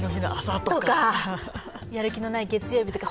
やる気のない月曜日とか